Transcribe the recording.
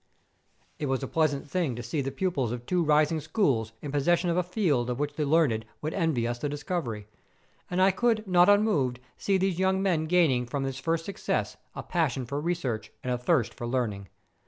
It was a pleasant thing to see the pupils of two rising schools in possession of a field of which the learned would envy us the discovery; and I could not unmoved see these young men gaining from this first success a passion for research and a thirst for learning.